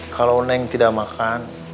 kalau neng tidak makan